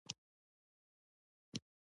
د خدای په اړه بې پایه تنزیهي تعریف وړاندې کړو.